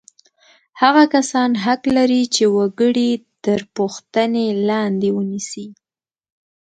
هغه کسان حق لري چې وګړي تر پوښتنې لاندې ونیسي.